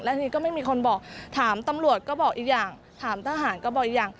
ทีนี้ก็ไม่มีคนบอกถามตำรวจก็บอกอีกอย่างถามทหารก็บอกอีกอย่าง